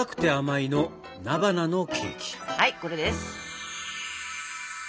はいこれです。